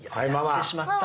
やってしまった。